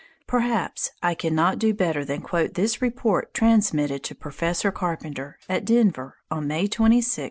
Perhaps I cannot do better than quote this report transmitted to Professor Carpenter, at Denver, on May 26, 1904.